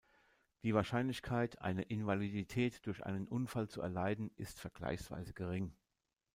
Die Wahrscheinlichkeit, eine Invalidität durch einen Unfall zu erleiden, ist vergleichsweise gering.